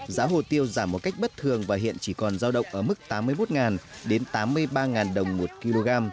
giá hồ tiêu giảm một cách bất thường và hiện chỉ còn giao động ở mức tám mươi một đến tám mươi ba đồng một kg